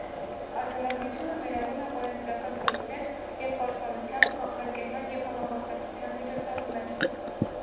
Արձանագրությունը ներառում է օրենսդրական դրույթներ և պաշտպանության, կանխարգելման և համագործակցության միջոցառումներ։